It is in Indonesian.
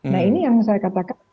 nah ini yang saya katakan